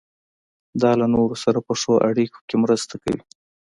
دا له نورو سره په ښو اړیکو کې مرسته کوي.